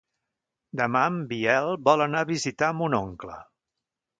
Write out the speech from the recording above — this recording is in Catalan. Demà en Biel vol anar a visitar mon oncle.